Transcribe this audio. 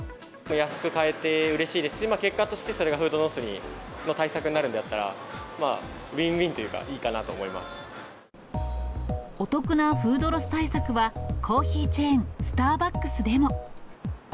安く買えてうれしいですし、結果として、それがフードロスの対策になるんであったら、ウインウインというお得なフードロス対策は、コーヒーチェーン、スターバックスでも。